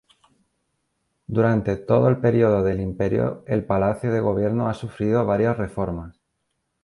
Durante todo el período del imperio el Palacio de Gobierno ha sufrido varias reformas.